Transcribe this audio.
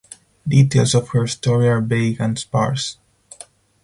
Details of her story are vague and sparse.